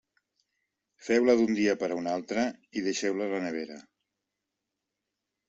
Feu-la d'un dia per a un altre i deixeu-la a la nevera.